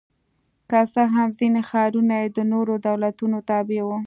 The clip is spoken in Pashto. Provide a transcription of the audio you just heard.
که څه هم ځیني ښارونه یې د نورو دولتونو تابع وو